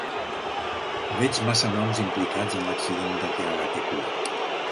Veig massa noms implicats en l'accident de Kealakekua.